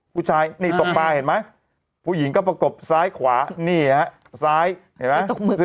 ผู้ชายนี่ตกปลาเห็นไหมผู้หญิงก็ประกบซ้ายขวานี่เหรอฮะ